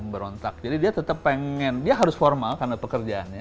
berontak jadi dia tetap pengen dia harus formal karena pekerjaannya